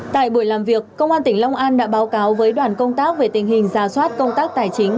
tại buổi làm việc công an tỉnh long an đã báo cáo với đoàn công tác về tình hình ra soát công tác tài chính